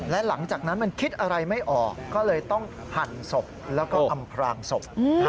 และหลังจากนั้นมันคิดอะไรไม่ออกก็เลยต้องหั่นศพแล้วก็อำพลางศพ